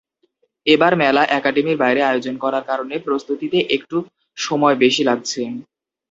এবার মেলা একাডেমির বাইরে আয়োজন করার কারণে প্রস্তুতিতে একটু সময় বেশি লাগছে।